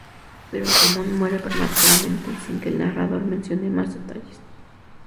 Pero Ramón muere prematuramente, sin que el narrador mencione más detalles.